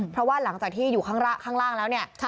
เพราะว่าหลังจากที่อยู่ข้างล่ะข้างล่างแล้วเนี้ยค่ะ